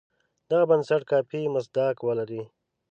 دغه بنسټ کافي مصداق ولري.